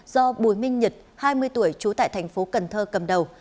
do bùi minh nhật hai mươi tuổi trú tại thành phố cần thơ cầm đầu